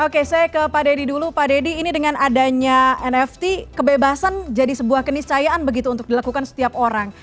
oke saya ke pak deddy dulu pak deddy ini dengan adanya nft kebebasan jadi sebuah keniscayaan begitu untuk dilakukan setiap orang